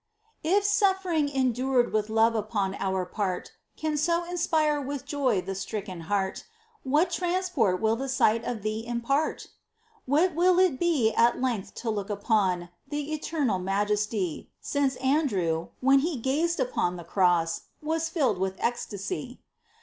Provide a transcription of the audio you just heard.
If suffering endured with love upon our part Can so inspire with joy the stricken heart, What transport will the sight of Thee impart ! What will it be at length to look upon Th' eternal Majesty, Since Andrew, when he gazed upon the cross, Was filled with ecstasy